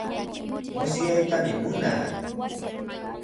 Musyaytami munaa.